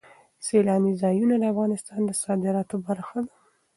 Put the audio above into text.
سیلانی ځایونه د افغانستان د صادراتو برخه ده.